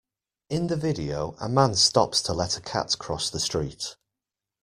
In the video, a man stops to let a cat cross the street.